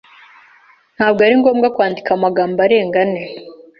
Ntabwo ari ngombwa kwandika amagambo arenga ane.